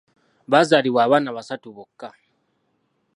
Baazaalibwa abaana basatu bokka.